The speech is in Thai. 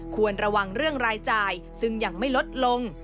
ควรระวังเรื่องรายจ่ายซึ่งยังไม่ลดลง